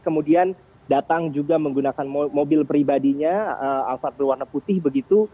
kemudian datang juga menggunakan mobil pribadinya alfat berwarna putih begitu